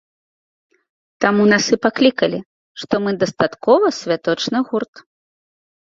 Таму нас і паклікалі, што мы дастаткова святочны гурт.